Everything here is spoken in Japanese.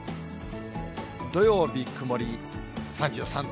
土曜日曇り３３度。